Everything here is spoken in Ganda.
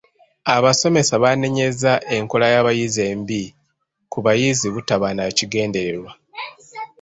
Abasomesa baanenyezza enkola y'abayizi embi ku bayizi butaba na kigendererwa.